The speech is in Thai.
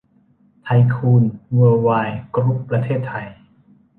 ไทยคูน เวิลด์ไวด์ กรุ๊ป ประเทศไทย